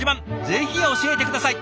ぜひ教えて下さい。